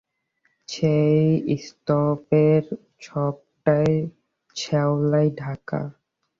সেই স্তুপের সবটাই শ্যাওলায় ঢাকা।